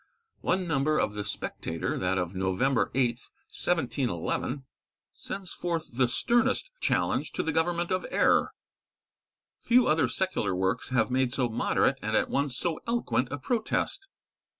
One number of the 'Spectator,' that of November 8th, 1711, sends forth the sternest challenge to the government of error. Few other secular works have made so moderate and at once so eloquent a protest.